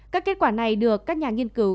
các kết quả này được các nhà nghiên cứu